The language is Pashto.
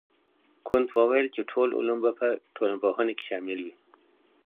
کنت وويل چي ټول علوم به په ټولنپوهنه کي شامل وي.